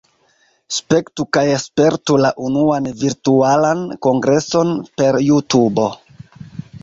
Spektu kaj spertu la unuan Virtualan Kongreson per JuTubo!